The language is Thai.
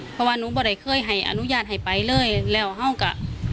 เพราะว่านุงเป็นเวลาให้อนุญาตเท่าไปและก็